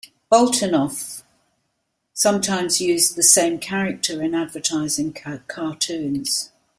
Boltinoff sometimes used the same character in advertising cartoons.